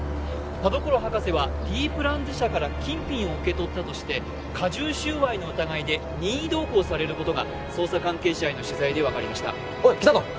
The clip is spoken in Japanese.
田所博士はＤプランズ社から金品を受け取ったとして加重収賄の疑いで任意同行されることが捜査関係者への取材で分かりました・おい来たぞ